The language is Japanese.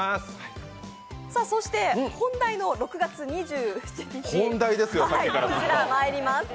そして、本題の６月２７日にまいります。